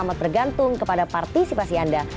amat bergantung kepada partisipasi anda